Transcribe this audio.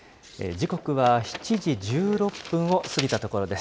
時刻は７時１６分を過ぎたところです。